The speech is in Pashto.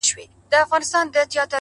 • په دنیا کي « اول ځان پسې جهان دی »,